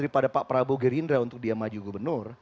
daripada pak prabowo gerindra untuk dia maju gubernur